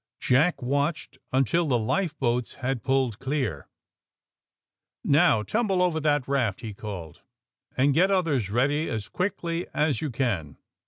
Jack watched until the lifeboats had pulled clear. ^' Now, tumble over that raft, '' he called, *^ and get others ready as quickly as you can.